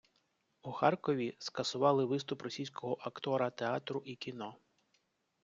У Харкові скасували виступ російського актора театру і кіно.